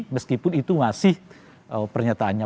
meskipun itu masih pernyataannya